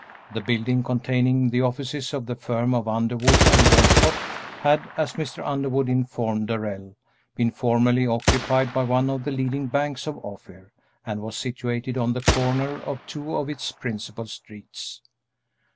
The building containing the offices of the firm of Underwood & Walcott had, as Mr. Underwood informed Darrell, been formerly occupied by one of the leading banks of Ophir, and was situated on the corner of two of its principal streets.